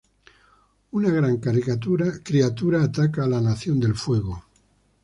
Una gran criatura ataca a la Nación del Fuego.